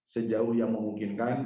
sejauh yang memungkinkan